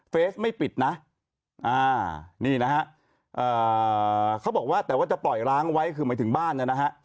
ไม่ปิดนะนี่นะฮะเขาบอกว่าแต่ว่าจะปล่อยล้างไว้คือหมายถึงบ้านเนี่ยนะฮะ